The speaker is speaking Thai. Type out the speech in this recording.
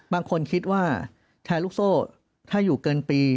บางคนคิดว่าแชร์ลูกโซ่ถ้าอยู่เกินปี